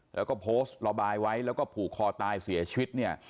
แล้วก็โพสต์ระบายไว้แล้วก็ผูกคอตายเสียชีวิตเนี่ย